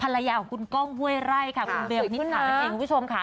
ภรรยาของคุณก้องห้วยไร่ค่ะคุณเบลนิษฐานั่นเองคุณผู้ชมค่ะ